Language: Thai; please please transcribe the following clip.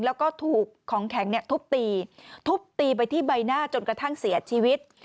แล้วก็ถูกของแข็งทุบตีทุบตีไปที่ใบหน้าจนกระทั่งเสียชีวิต